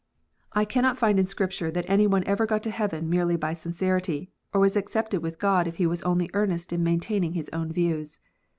I cannot find in Scripture ONLY ONE WAY OF SALVATION. 39 that any one ever got to heaven merely by sincerity, or was accepted with God if he was only earnest in maintaining his own views.